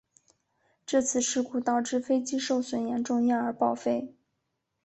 这次事故导致飞机受损严重因而报废。